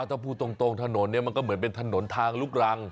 ถ้าพูดตรงถนนเนี่ยมันก็เหมือนเป็นถนนทางลูกรัง